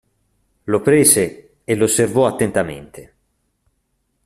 Lo prese e l'osservò attentamente.